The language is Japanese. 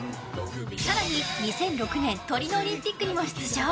更に２００６年トリノオリンピックにも出場！